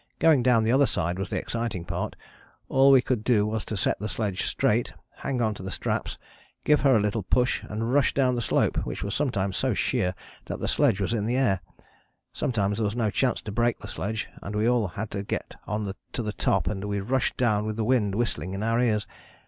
Going down the other side was the exciting part: all we could do was to set the sledge straight, hang on to the straps, give her a little push and rush down the slope, which was sometimes so sheer that the sledge was in the air. Sometimes there was no chance to brake the sledge, and we all had to get on to the top, and we rushed down with the wind whistling in our ears.